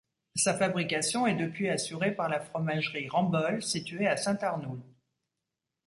Sa fabrication est depuis assurée par la Fromagerie Rambol, située à Saint-Arnoult.